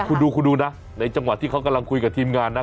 คุณดูคุณดูนะในจังหวะที่เขากำลังคุยกับทีมงานนะ